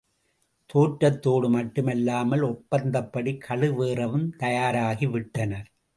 தோற்றதோடு மட்டுமல்லாமல் ஒப்பந்தப்படி கழுவேறவும் தயாராகி விட்டனர்.